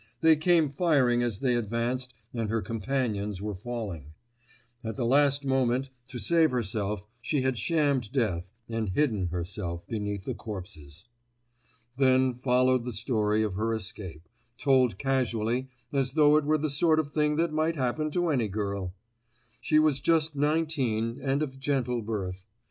They came firing as they advanced and her companions were falling. At the last moment, to save herself, she had shammed death and hidden herself beneath the corpses. Then followed the story of her escape, told casually, as though it were the sort of thing that might happen to any girl. She was just nineteen and of gentle birth.